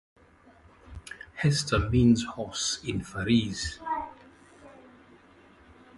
"Hestur" means "horse" in Faroese.